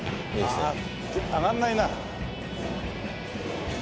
上がんないな。